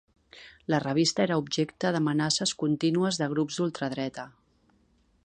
La revista era objecte d’amenaces contínues de grups d’ultradreta.